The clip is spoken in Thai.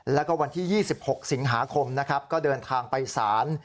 แล้วก็วันที่๒๖สิงหาคมนะครับก็เดินทางไปศาล